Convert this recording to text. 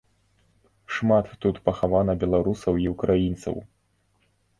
Шмат тут пахавана беларусаў і ўкраінцаў.